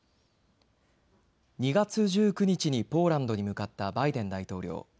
２月１９日にポーランドに向かったバイデン大統領。